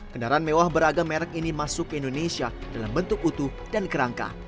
kendaraan mewah beragam merek ini masuk ke indonesia dalam bentuk utuh dan kerangka